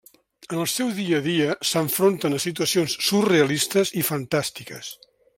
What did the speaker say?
En el seu dia a dia, s'enfronten a situacions surrealistes i fantàstiques.